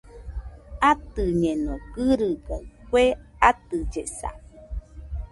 Atɨñeno gɨrɨgaɨ kue atɨllesa